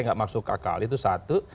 tidak masuk akal itu satu